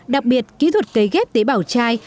đặc biệt kỹ thuật cấy ghép tế bảo chai